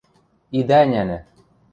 Идӓ ӹнянӹ.